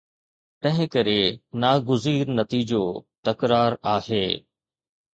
تنهنڪري ناگزير نتيجو تڪرار آهي.